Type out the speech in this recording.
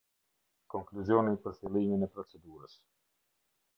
Konkluzioni për Fillimin e Procedurës.